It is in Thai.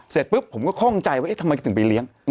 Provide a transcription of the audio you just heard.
เสร็จปุ๊บผมก็คล่องใจว่าเอ๊ะทำไมถึงไปเลี้ยง